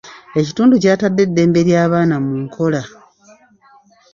Ekitundu kyatadde eddembe ly'abaana mu nkola.